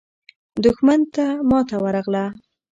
دښمن ته ماته ورغله.